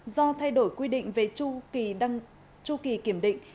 do thay đổi quy định về chu kỳ kiểm định